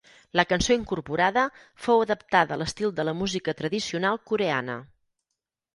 La cançó incorporada fou adaptada a l'estil de la música tradicional coreana.